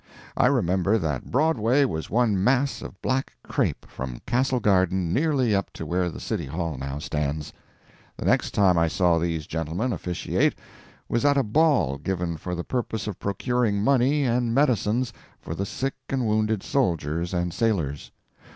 I remember that Broadway was one mass of black crape from Castle Garden nearly up to where the City Hall now stands. The next time I saw these gentlemen officiate was at a ball given for the purpose of procuring money and medicines for the sick and wounded soldiers and sailors.